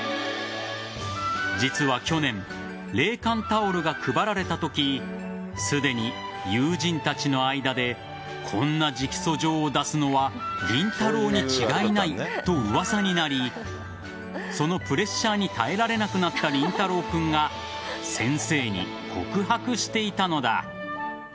実は去年冷感タオルが配られたときすでに友人たちの間でこんな直訴状を出すのは凛太郎に違いないと噂になりそのプレッシャーに耐えられなくなった凛太郎君が先生に告白していたのだ。